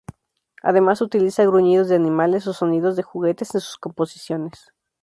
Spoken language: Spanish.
Además utiliza gruñidos de animales o sonidos de juguetes en sus composiciones.